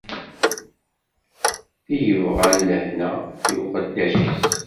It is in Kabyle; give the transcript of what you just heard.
I yebɣan lehna i uqeddac-is!